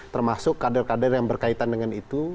termasuk kader kader yang berkaitan dengan itu